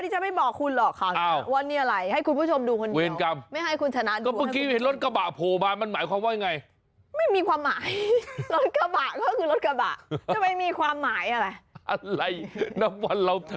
แล้วเขาก็เนี่ยมีออกรถคันมงคันใหม่อะไรมา